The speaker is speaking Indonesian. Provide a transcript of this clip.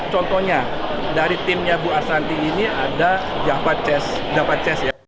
contohnya dari timnya bu arsanti ini ada japva chess